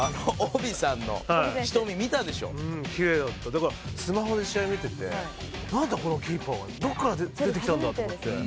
だからスマホで試合見てて「なんだ？このキーパーは」「どこから出てきたんだ？」と思って。